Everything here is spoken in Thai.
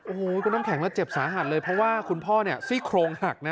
โอ้โหคุณน้ำแข็งแล้วเจ็บสาหัสเลยเพราะว่าคุณพ่อเนี่ยซี่โครงหักนะ